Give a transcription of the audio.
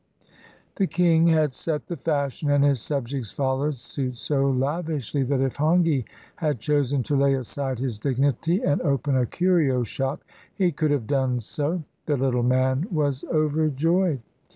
The king had set the fashion, and his subjects followed suit so lavishly that, if Hongi had chosen to lay aside his dignity and open a curio shop, he could have done so. The little man was overjoyed.